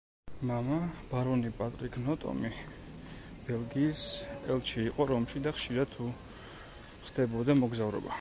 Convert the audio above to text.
მამა, ბარონი პატრიკ ნოტომი, ბელგიის ელჩი იყო რომში და ხშირად უხდებოდა მოგზაურობა.